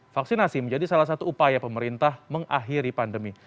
vaksinasi menjadi salah satu upaya pemerintah mengakhiri pandemi